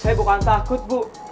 saya bukan takut bu